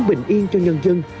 bình yên cho nhân dân